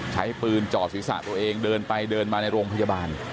ใช้ปืนจ่อศีรษะตัวเองเดินไปเดินมาในโรงพยาบาล